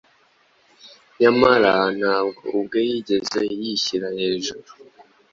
Nyamara ntabwo ubwe yigeze yishyira hejuru;